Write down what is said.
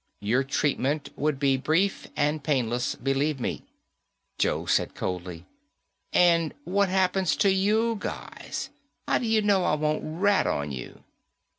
Your treatment would be brief and painless, believe me." Joe said coldly, "And what happens to you guys? How do you know I won't rat on you?"